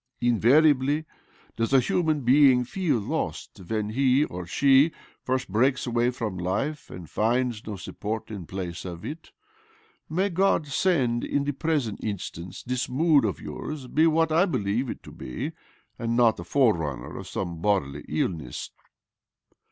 Invari ably does a human being feel lost when he or she first breaks away from life and finds no support in place of it. May God send that in the present instance this mood of yours be what I believe it to be, and not a forerunner of some bodily illness.